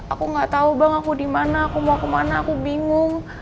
aku gak tau bang aku di mana aku mau kemana aku bingung